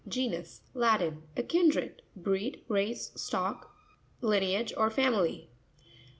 Ge'nus.—Latin. A kindred, breed, race, stock, lineage or family.